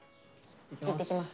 いってきます。